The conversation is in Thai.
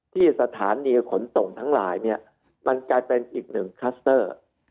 ที่สถานีขนส่งทั้งหลายเนี่ยมันกลายเป็นอีกหนึ่งคลัสเตอร์